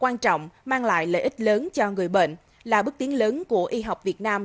quan trọng mang lại lợi ích lớn cho người bệnh là bước tiến lớn của y học việt nam